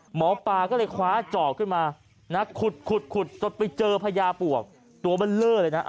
หมอปลาก็เลยคว้าจอกขึ้นมานะขุดจนไปเจอพญาปวกตัวมันเล่อเลยนะ